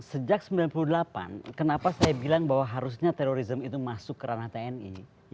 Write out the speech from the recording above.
sejak seribu sembilan ratus sembilan puluh delapan kenapa saya bilang bahwa harusnya terorisme itu masuk ke ranah tni